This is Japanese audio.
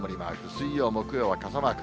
水曜、木曜は傘マーク。